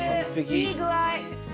いい具合。